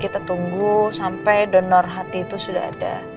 kita tunggu sampai donor hati itu sudah ada